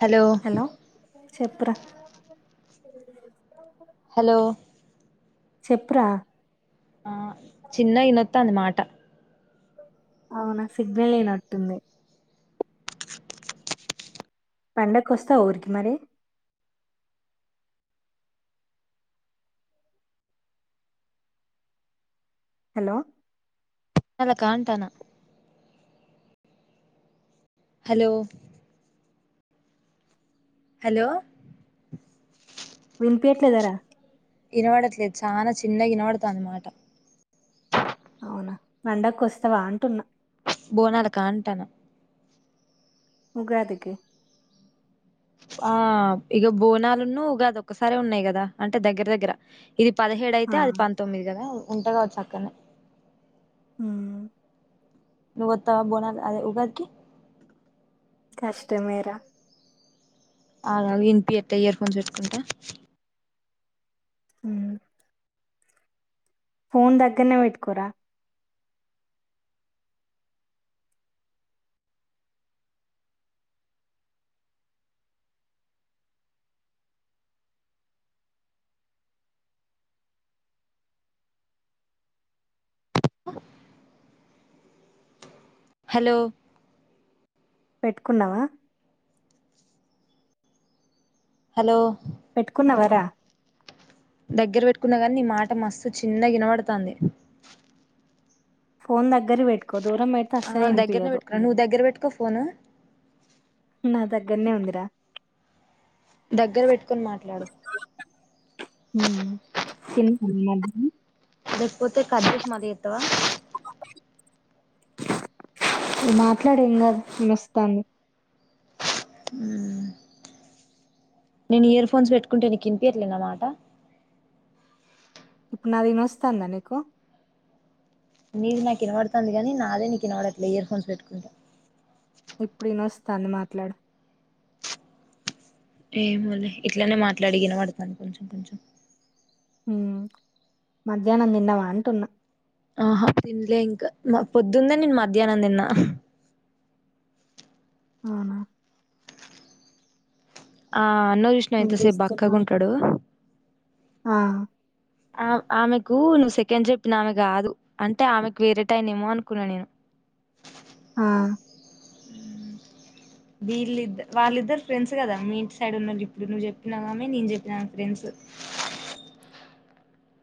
Hello చెప్పు రా hello చెప్పు రా ఆ చిన్నయినొత్తా ఉంది మాట అవునా సిగ్నల్ లేనట్టుంది పండక్ వస్తవ ఊరికి మరి హలో అలక అంటనా హలో హలో వినిపియట్లేదరా వినవడట్లేదు చాలా చిన్నగా వినవడుత మాట అవునా పండుగకు వస్తావా అంటున్నా బోనాల కా అంటాను ఉగాదికి ఆ ఈగ బోనాలును ఉగాది ఒకసారే ఉన్నాయి కదా అంటే దగ్గర దగ్గర ఇది పదిహేడు అయితే ఆ అది పంతొమ్మిది కదా ఉంట కావచ్చు అక్కనే హ్మ్మ్ నువ్వుత్తవా బోనాల అదే ఉగాదికి కష్ట మేరా అలా వినిపియ్యట్లే ఇయర్ ఫోన్స్ పెట్టుకుంటా హ ఫోన్ దగ్గరనే పెట్టుకోరా హలో పెట్టుకున్నావా హలో పెట్టుకున్నవరా దగ్గర పెట్టుకున్న కాగానీ నీ మాట మస్తు చిన్నగా వినపడుతుంది ఫోన్ దగ్గర వెేట్టు ఆ దగ్గరనే పెట్టుకున్నా నువ్వు దగ్గర పెట్టుకో ఫోను ధారా నే ఉందిరా దగ్గర పెట్టుకొని మాట్లాడు తన్న లేకపోతే కట్ చేసి మళ్లీ చేస్తావా మాట్లాడేం కా మస్తాంది నేను ఇయర్ ఫోన్స్ పెట్టుకుంటే వినిపియ్యట్లే నా మాట ఇప్పుడు నాదిని వస్తాందా నీకు నీది నాకు వినబడుతుంది కాగానీ నాదే నీకు కనబడట్లే ఇయర్ ఫోన్స్ పెట్టుకుంటే ఇప్పుడు ఇ నొస్తాంది మాట్లాడు ఏమోలే ఇట్లనే మాట్లాడిగిన ఇనపడతాంది కొంచెం కొంచెం ఉ మధ్యాహ్నం తిన్నవా అంటున్నా ఆహ తినలే ఇంకా పొద్దుందే నేను మధ్యాహ్నం తిన్నా అవునా ఆ ఎన్నో చుసిన ఏం ఇంత సేపు చేస్తున్నావ్ బక్కగుంటాడు ఆ ఆ ఆమె కు నువ్వు సెకండ్ చెప్పిన ఆమె కాదు అంటే ఆమెకు వేరే టైన్ ఏమో అనుకున్నా నేను ఆ వీళ్ళద్ద వాళ్ళిద్దరు ఫ్రెండ్స్ కదా మీ ఇంటి సైడ్ ఉన్న ఇద్దురు నువ్వు చెప్పినా ఆమె నేను చెప్పిన ఆమె ఫ్రెండ్స్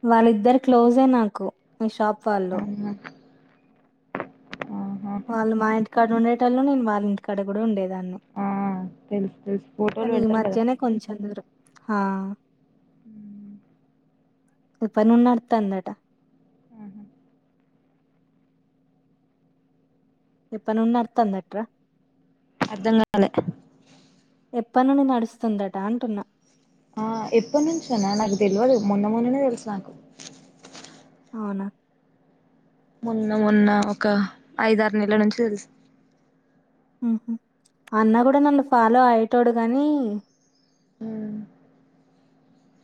వాళ్ళిద్దరు క్లోజే నాకు మీ షాప్ వాళ్ళు ఆహా వాళ్ళు మా ఇంటి ఇక్కడ ఉండేటలు నేను వాళ్ళ ఇంటి కూడా ఉండేది దాన్ని ఆ తెలుసు తెలుసు ఫోటోలు కానీ ఈ పెడతారు కదా మధ్యనే కొంచెం దూరం ఆ ఇప్పుడు పని నడుత్తాదటా ఇప్పనుండి నడుతంట్రా అర్ధం గాలే వస్తుందట అంటున్నా ఆ ఎప్పుడు నుంచి అన నాకు తెల వదు మొన్న మొన్ననే తెలుసు నాకు అవునా మొన్న మొన్న ఒక ఐదరు నెలల నుంచి తెలుసు అన్న కూడా నన్ను ఫాలో అయ్యేటోడు గానీ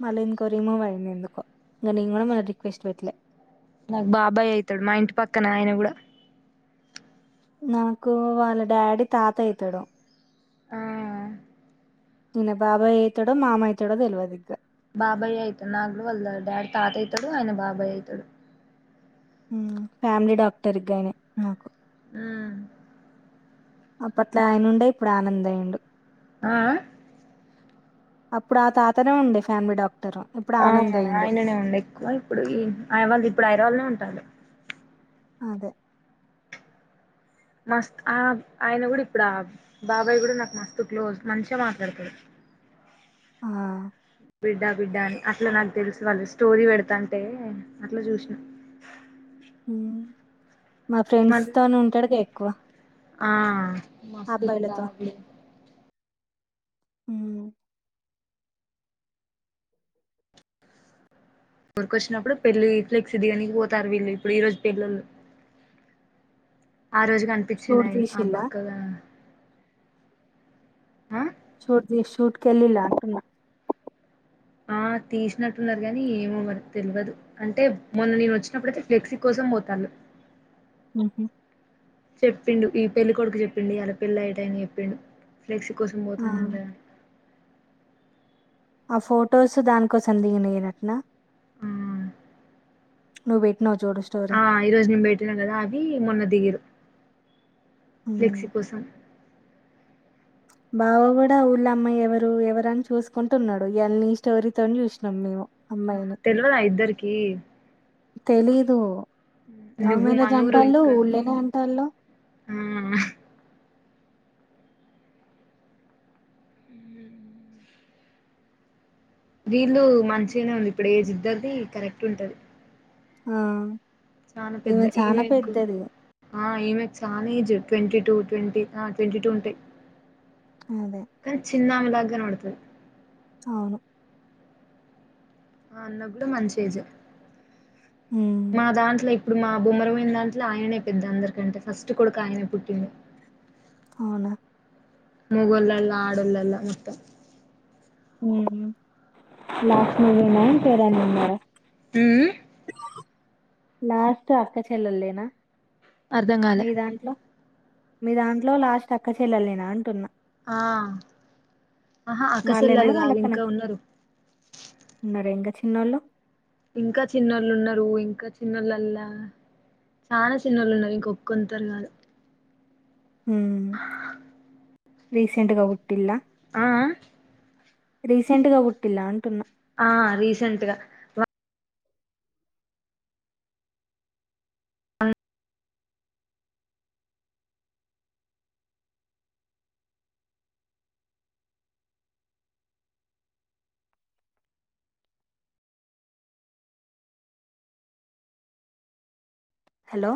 మళ్ళీ ఇంకో రిమూవ్ అయింది ఎందుకో ఇంకా నేను కూడా మళ్ళ రిక్వెస్ట్ పెట్లే నాకు బాబాయ్ అయితాడు మా ఇంటి పక్కన ఆయన కూడా నాకు వాళ్ళ డాడీ తాత అయితడు ఆ నే బాబాయ్ అయిత డో మామ అవుతడో తెలివదు ఇగ్గ బాబాయ్ అయితడు నాకు కూడా వాళ్ళ డాడ్ తాత అయితడు ఆయన బాబాయ్ అయితడు ఫ్యామిలీ డాక్టర్గానే నాకు హ్మ్ అప్పట్లో ఆయనుండ ఇప్పుడు ఆనంద్ అయిండు ఆ ఆ అప్పుడు ఆ తాతనేే ఉండే ఫ్యామిలీ డాక్ట ఆ ఆయననే ఉండ ఎక్కువ ఇప్పుడు ఆయన వాళ్ళు ఇప్పుడు హైదరాబాద్ లోనే ఉం ఉంటాడు అదే మస్త్ ఆ ఆయన కూడా ఇప్పుడు ఆ బాబాయ్ కూడా నాకు మస్త్ క్లోజ్ మంచిగా మాట్లాడతాడు ఆ బిడ్డ బిడ్డ అని అట్లా నాకు తెలుసు వాళ్ళు స్టోరీ పెడతంటే అట్లా చూసిన ఉమ్. మా ఫ్రెండ్స్ మళ్ళీ తోనే ఉంటాడు కే వ ఆ మస్తు చవిడి హ్మ్ ఊరికొచ్చినప్పుడు పెళ్ళలి ఫ్లెక్స్ దిగనికి పోతారు వీళ్ళు ఇప్పుడు ఈ రోజు పెళ్లళ్రు ఆ రోజుగా కనిపించింది షూట్ ఆయన ఆ తీసిల్లా బక్కగా ఆ చోట్ ద సూట్ కేలి ఆ తీసినట్టున్నారు కాగాని ఏమవ్వరు తెలియదు అంటే మొన్న నేను వచ్చినప్పుడయితే ఫ్లెక్సీ కోసం పోతాళ అహ చెప్పిండు ఈ పెళ్లి కొడుకు చెప్పిండు అలా పెళ్ళి అ్యటయని చెప్పిండు ఫ్లెక్సి కోసం ఆ, పోతనంట ఆ ఫొటోస్ దానికోసందిగినయనట్నా ను బెటి ఆ ఈ రోజు నేను పెట్టినా కదా అవి మొన్న దిగరు ఉమ్. ఫ్లెక్సీ కోసం బావ కూడా ఊళ్ళ అమ్మాయి ఎవరు ఎవరని చూసుకుంటు ఉన్నాడు ఇవీ స్టోరీతో చూసినాం మేము అమ్మాయిని తెలివదా ఇద్దరికి తెలీదు అవు నువ్వు మేారజ మనూరు అంటళ్ళు ఇంకా ఉళ్ళనే అంటళ్ళు ఆ వీళ్ళు మంచిగానే ఉంది ఇప్పుడు ఏ జిద్దది కరెక్ట్ ఉంటది ఆ చాలా ఈమె పెద్ద చనా ఈమెకు పెద్దది ఆ ఈమెక్ చాలా ఏజ్ ట్వంటీ టూ ట్వంటీ ఆ ట్వంటీ టూ ఉంటాయి అదే చిన్నామలా అ్న ఉడుత అవును ఆ అన్న కూడా మంచిజ ఉమ్ మన దాంట్లో ఇప్పుడు మా బమ్మరంమయిన దాంట్లో ఆయనే పెద్ద అందరికంటే ఫస్ట్ కొడుకు ఆయనే పుట్టింది అవునా ముగళల్ ఆడుల్లా మత్తం లాస్మవిన్నా పరా నంబ హ లాస్ట్ అక్కచల్లేనా అర్ధంగాల మీ దాంట్లో లాస్ట్ అక్క చెల్లెలే నా అంటున్నా ఆ ఆహా వాళ్ళేనా అక్కసెల్లెల్లు కాదు వాళ్ళకన్నా ఇంకా ఉన్నరు న్నోలో ఇంకా చిన్నోళ్ళు ఉన్నారు ఇంకా చిన్నళ్ళల్లా చాలా చిన్నోళ్ళు ఉన్నారు ఇంకొక్కొంతరు కాదు. హ్మ్ రీసెంట్ గా ఉట్టిల్లా ఆ ఆ రీసెంట్ గా గుట్టిల్లా అంటున్నా ఆ రీసెంట్ గా హెలో